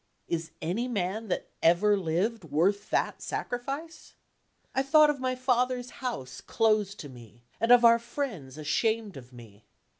Is any man that ever lived worth that sacrifice? I thought of my father's house closed to me, and of our friends ashamed of me.